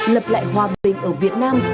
lập lại hòa bình ở việt nam